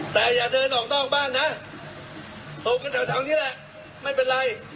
แต่อย่าเดินออกนอกบ้านนะตบกันแถวนี้แหละไม่เป็นไร